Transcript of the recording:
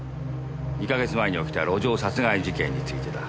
２か月前に起きた路上殺害事件についてだ。